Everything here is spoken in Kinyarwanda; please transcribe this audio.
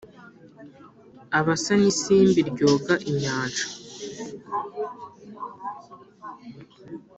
Aba asa n’isimbi ryoga inyanja